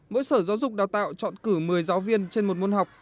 mỗi sở giáo dục đào tạo chọn cử một mươi giáo viên trên một môn học